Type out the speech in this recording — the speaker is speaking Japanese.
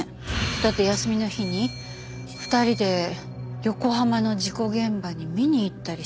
だって休みの日に２人で横浜の事故現場に見に行ったりしてたそうですもんね。